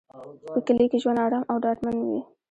په کلي کې ژوند ارام او ډاډمن وي.